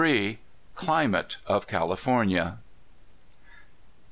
THE CLIMATE OF CALIFOKNIA.